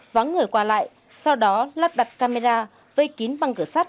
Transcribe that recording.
vắng người qua lại sau đó lắp đặt camera vây kín bằng cửa sắt